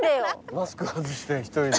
マスク外して一人で。